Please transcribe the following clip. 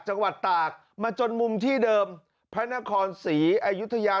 จังหวัดตากมาจนมุมที่เดิมพระนครศรีอายุทยา